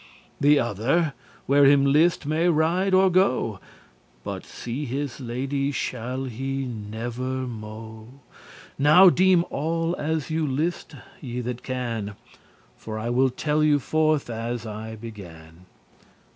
The other where him list may ride or go, But see his lady shall he never mo'. Now deem all as you liste, ye that can, For I will tell you forth as I began.